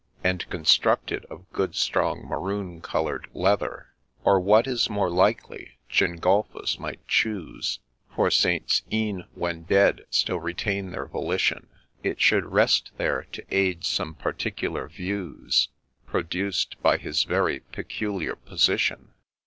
And constructed of good, strong, maroon colour'd leather. Or, what is more likely, Gengulphus might choose, For Saints, e'en when dead, still retain their volition, It should rest there, to aid some particular views, Produced by his very peculiar position.